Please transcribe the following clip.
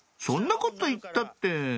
「そんなこと言ったって」